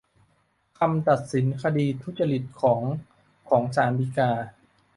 คำตัดสินคดีทุจริตของของศาลฎีกา